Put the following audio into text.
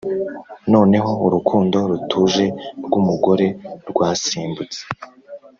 noneho urukundo rutuje rw'umugore rwasimbutse,